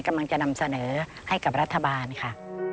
กำลังจะนำเสนอให้กับรัฐบาลค่ะ